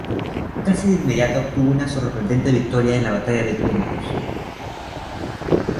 Casi de inmediato obtuvo una sorprendente victoria en la Batalla de Gembloux.